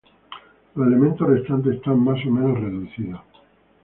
Los elementos restantes están más o menos reducidos.